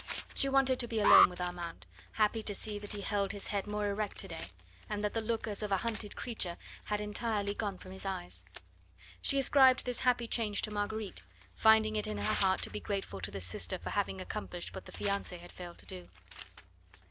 She wanted to be alone with Armand, happy to see that he held his head more erect to day, and that the look as of a hunted creature had entirely gone from his eyes. She ascribed this happy change to Marguerite, finding it in her heart to be grateful to the sister for having accomplished what the fiancee had failed to do.